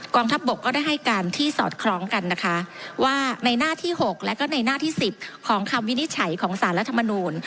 ทัพบกก็ได้ให้การที่สอดคล้องกันนะคะว่าในหน้าที่๖และก็ในหน้าที่๑๐ของคำวินิจฉัยของสารรัฐมนูล